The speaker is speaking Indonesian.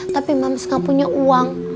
tapi mans gak punya uang